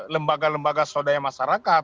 lembaga lembaga saudara masyarakat